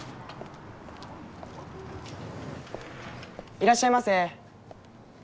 いらっしゃいませ。